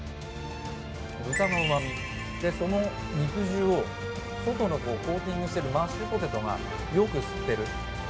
豚のうまみ、その肉汁を外のコーティングしてるマッシュポテトがよく吸ってる。